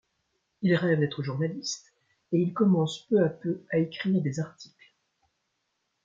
Il rêve d'être journaliste et il commence peu à peu à écrire des articles.